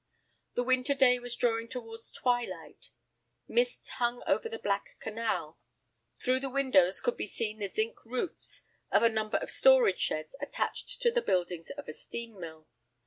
The winter day was drawing towards twilight. Mists hung over the black canal. Through the windows could be seen the zinc roofs of a number of storage sheds attached to the buildings of a steam mill.